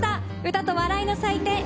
歌と笑いの祭典